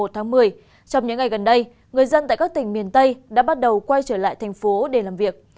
trong những ngày gần đây người dân tại các tỉnh miền tây đã bắt đầu quay trở lại thành phố để làm việc